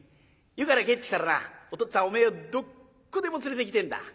湯から帰ってきたらなお父っつぁんおめえをどっこでも連れていきてえんだ。